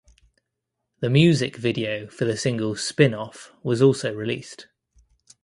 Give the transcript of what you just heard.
The music video for the single "Spin Off" was also released.